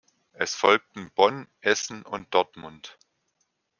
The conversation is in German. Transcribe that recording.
Es folgten Bonn, Essen und Dortmund.